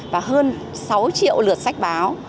và hơn sáu triệu lượt sách báo